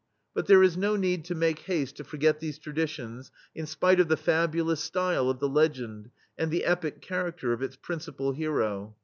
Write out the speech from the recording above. But there is no need to make haste to forget these traditions, in spite of the fabulous style of the legend, and the epic charafter of its principal hero.